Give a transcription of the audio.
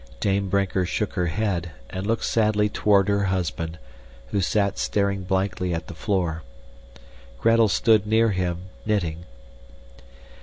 Dame Brinker shook her head and looked sadly toward her husband, who sat staring blankly at the floor. Gretel stood near him, knitting.